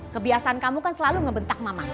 kebiasaan kamu kan selalu ngebentak mamaku